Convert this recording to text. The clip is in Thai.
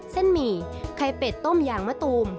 เส้นหมี่ไข่เป็ดต้มอย่างมาตูม